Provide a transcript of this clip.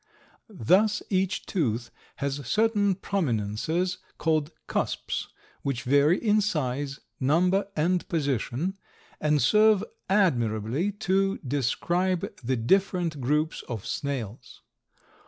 Thus each tooth has certain prominences called cusps, which vary in size, number and position, and serve admirably to describe the different groups of snails.